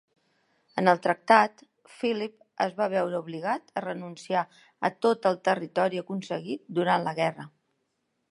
En el tractat, Philip es va veure obligat a renunciar a tot el territori aconseguit durant la guerra.